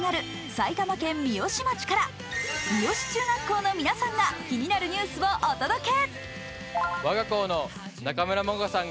埼玉県三芳町から三芳中学校の皆さんが気になるニュースをお届け。